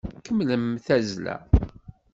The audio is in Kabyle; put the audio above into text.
Kemmlem tazzla!